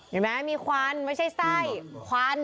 เห็นไหมมีควันไม่ใช่ไส้ควัน